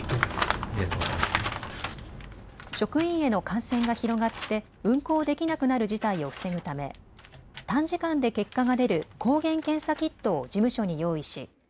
職員への感染が広がって運航できなくなる事態を防ぐため、短時間で結果が出る抗原検査キットを事務所に用意し